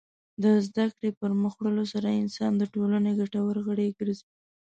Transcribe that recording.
د زدهکړې پرمخ وړلو سره انسان د ټولنې ګټور غړی ګرځي.